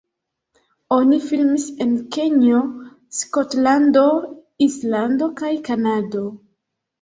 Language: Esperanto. Oni filmis en Kenjo, Skotlando, Islando kaj Kanado.